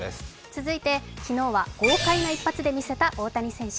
続いて昨日は豪快な一発を見せた大谷選手。